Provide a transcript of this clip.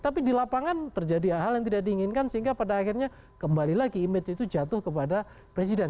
tapi di lapangan terjadi hal hal yang tidak diinginkan sehingga pada akhirnya kembali lagi image itu jatuh kepada presiden